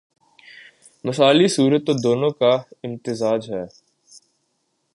مثالی صورت تو دونوں کا امتزاج ہے۔